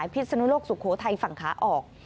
พิศนุโลกสุโขทัยฝั่งขาออก